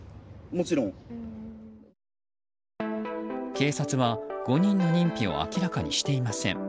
警察は５人の認否を明らかにしていません。